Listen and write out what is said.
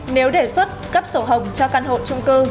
nếu đề xuất cấp sổ hồng cho căn hộ trung cư